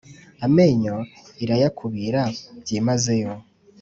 Amenyo irayakubira byimazeyo